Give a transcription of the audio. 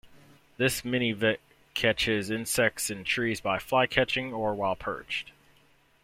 This minivet catches insects in trees by flycatching or while perched.